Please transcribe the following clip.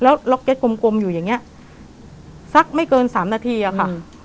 แล้วล็อกเก็ตกลมอยู่อย่างเงี้ยสักไม่เกิน๓นาทีอะค่ะ